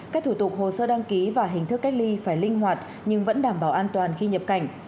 các thủ tục hồ sơ đăng ký và hình thức cách ly phải linh hoạt nhưng vẫn đảm bảo an toàn khi nhập cảnh